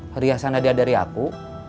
perhiasan hadiah dari aku